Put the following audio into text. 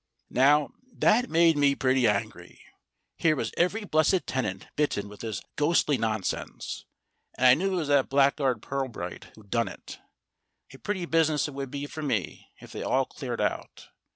Now, that made me pretty angry. Here was every blessed tenant bitten with this ghostly nonsense, and I knew it was that blackguard Pirbright who'd done it. A pretty business it would be for me if they all cleared out.